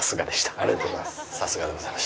ありがとうございます。